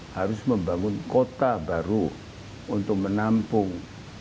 harus membangun kota baru untuk menampung